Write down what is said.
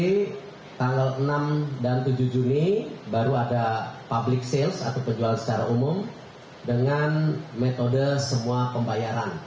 ini tanggal enam dan tujuh juni baru ada public sales atau penjualan secara umum dengan metode semua pembayaran